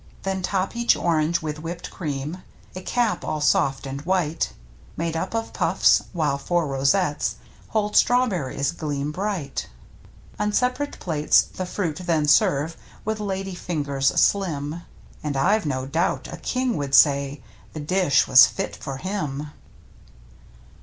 Then top each orange with whipped cream, A cap all soft and white, Made up of puffs, while for rosettes Whole strawberries gleam bright. On separate plates the fruit then serve With lady fingers slim, And I've no doubt a king would say The dish was fit for him